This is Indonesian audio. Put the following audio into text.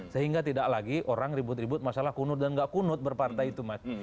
sehingga tidak lagi orang ribut ribut masalah kunut dan gak kunut berpartai itu mas